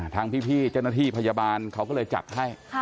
ทางพี่เจ้าหน้าที่พยาบาลเขาก็เลยจัดให้